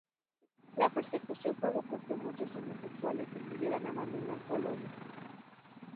La persecución provocó que muchos homosexuales decidieran abandonar Polonia.